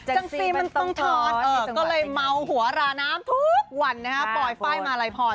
ก็เลยเมาหัวราน้ำทุกวันปลอยไฟ่มาลายพร